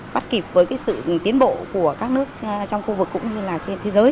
bắt kịp với sự tiến bộ của các nước trong khu vực cũng như là trên thế giới